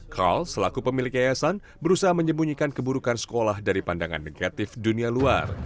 call selaku pemilik yayasan berusaha menyembunyikan keburukan sekolah dari pandangan negatif dunia luar